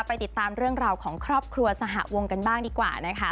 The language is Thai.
ไปติดตามเรื่องราวของครอบครัวสหวงกันบ้างดีกว่านะคะ